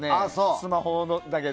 スマホだけで。